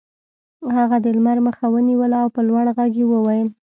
هغه د لمر مخه ونیوله او په لوړ غږ یې وویل